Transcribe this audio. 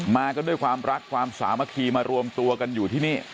กันด้วยความรักความสามัคคีมารวมตัวกันอยู่ที่นี่